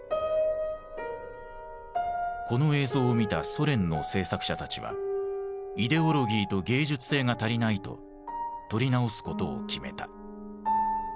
この映像を見たソ連の制作者たちは「イデオロギーと芸術性が足りない」と撮り直すことを決めた。